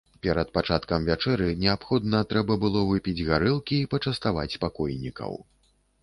Перад пачаткам вячэры неабходна трэба было выпіць гарэлкі і пачаставаць пакойнікаў.